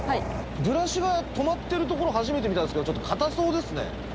ブラシが止まってるところ初めて見たんですけどちょっと硬そうですね。